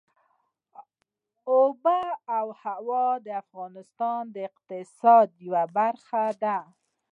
آب وهوا د افغانستان د اقتصاد یوه برخه ده.